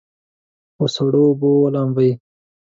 په سړو اوبو ولامبئ.